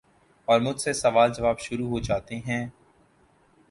اور مجھ سے سوال جواب شروع ہو جاتے ہیں ۔